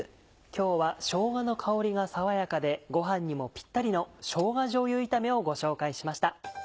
今日はしょうがの香りが爽やかでご飯にもぴったりのしょうがじょうゆ炒めをご紹介しました。